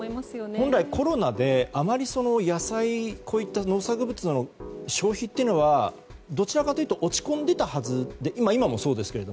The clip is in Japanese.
本来、コロナであまり農作物の消費というのはどちらかというと落ち込んでいたはずで今もそうですけど。